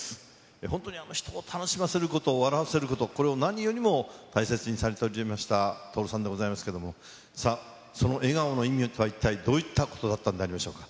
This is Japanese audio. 本当に人を楽しませること、笑わせること、何よりも大切にされておりました徹さんでございますけれども、さあ、その笑顔の意味とは一体どういったことだったんでしょうか。